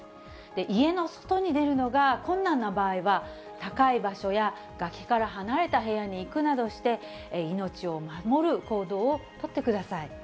家の外に出るのが困難な場合は、高い場所や崖から離れた部屋に行くなどして、命を守る行動を取ってください。